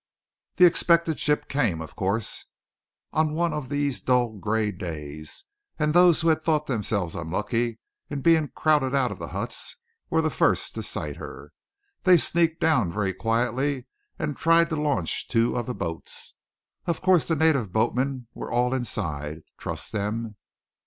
The expected ship came, of course, on one of these dull gray days; and those who had thought themselves unlucky in being crowded out of the huts were the first to sight her. They sneaked down very quietly and tried to launch two of the boats. Of course the native boatmen were all inside; trust them!